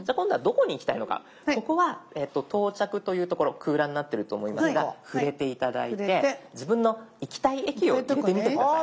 ここは「到着」という所空欄になってると思いますが触れて頂いて自分の行きたい駅を入れてみて下さい。